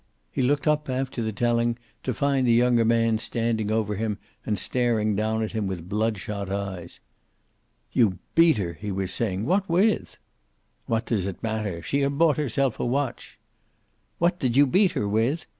He looked up, after the telling, to find the younger man standing over him and staring down at him with blood shot eyes. "You beat her!" he was saying. "What with?" "What does that matter She had bought herself a watch " "What did you beat her with?"